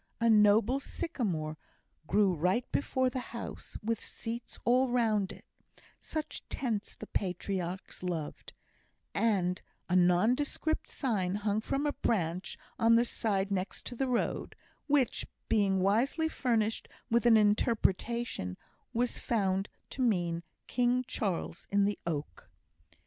A noble sycamore grew right before the house, with seats all round it ("such tents the patriarchs loved"); and a nondescript sign hung from a branch on the side next to the road, which, being wisely furnished with an interpretation, was found to mean King Charles in the oak.